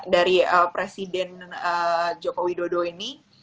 dari presiden jokowi dodo ini